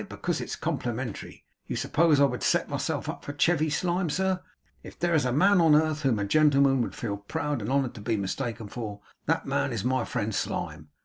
Because it's complimentary. You suppose I would set myself up for Chevy Slyme. Sir, if there is a man on earth whom a gentleman would feel proud and honoured to be mistaken for, that man is my friend Slyme.